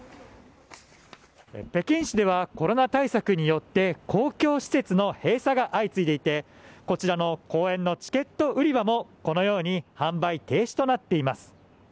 北京市ではコロナ対策によって公共施設の閉鎖が相次いでいてこちらの公園のチケット売り場もこのように販売停止となっています。